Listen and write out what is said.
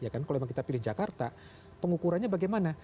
kalau memang kita pilih jakarta pengukurannya bagaimana